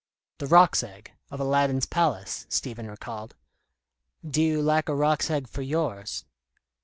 "The Roc's egg, of Aladdin's palace," Stephen recalled. "Do you lack a Roc's egg for yours?"